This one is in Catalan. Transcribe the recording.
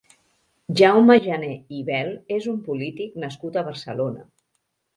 Jaume Jané i Bel és un polític nascut a Barcelona.